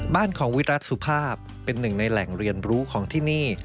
บ้านของวิรัติสุภาพเป็นหนึ่งในแหล่งเรียนรู้ของที่นี่